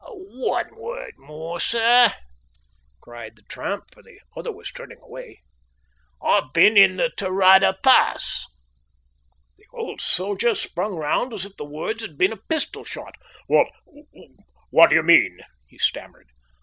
"One word more, sir," cried the tramp, for the other was turning away, "I've been in the Tarada Pass." The old soldier sprang round as if the words had been a pistol shot. "What what d'ye mean?" he stammered.